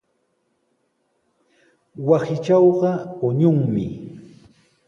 Wasiitrawqa quñunmi.